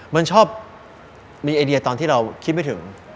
มันชอบมีไอเดียตอนที่เราคิดไม่ถึง